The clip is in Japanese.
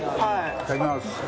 いただきます。